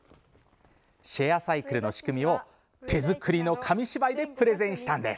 シェアサイクルの仕組みを手作りの紙芝居でプレゼンしたんです。